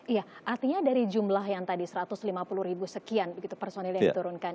iya artinya dari jumlah yang tadi satu ratus lima puluh ribu sekian begitu personil yang diturunkan